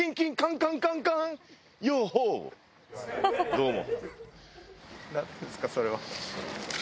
どうも。